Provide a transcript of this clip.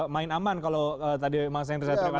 main aman kalau tadi saya tersenyumkan